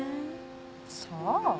そう？